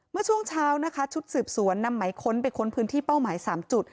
เมื่อช่วงเช้านะคะชุดสืบสวนนำหมายค้นไปค้นพื้นที่เป้าหมาย๓จุด